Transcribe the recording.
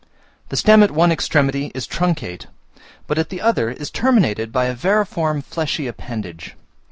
The stem at one extremity is truncate, but at the other is terminated by a vermiform fleshy appendage.